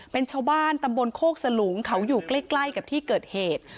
เป็นชาวบ้านตำบลโคกสลุงเขาอยู่ใกล้กับที่เกิดเหตุ